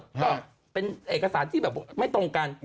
ก็เป็นเอกสารที่แบบไม่ตรงกัน